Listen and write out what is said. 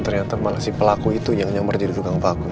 ternyata malah si pelaku itu yang nyamar jadi tukang baku